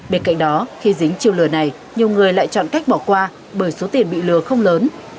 bên cạnh đó khi dính chiêu lừa này nhiều người lại chọn cách bỏ qua bởi số tiền bị lừa không lớn